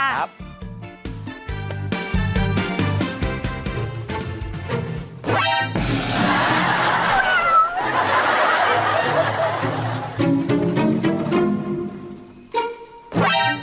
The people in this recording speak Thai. ร้องพี่น้องชมครับ